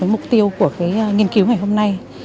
mục tiêu của nghiên cứu ngày hôm nay